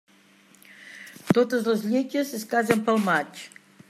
Totes les lletges es casen pel maig.